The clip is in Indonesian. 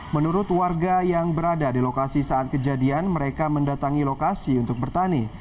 menurut warga yang berada di lokasi saat kejadian mereka mendatangi lokasi untuk bertani